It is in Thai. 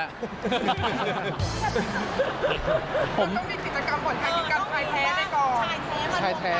มันก็มีกิจกรรมผ่อนคลายกิจกรรมชายแท้ได้ก่อน